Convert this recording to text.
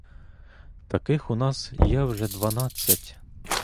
Таких у нас є вже дванадцять!